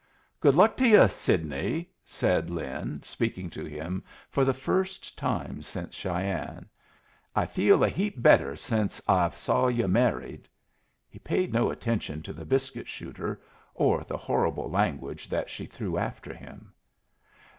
"Good luck to yu', Sidney!" said Lin, speaking to him for the first time since Cheyenne. "I feel a heap better since I've saw yu' married." He paid no attention to the biscuit shooter, or the horrible language that she threw after him.